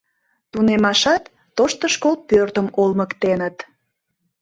Тунемашат тошто школ пӧртым олмыктеныт.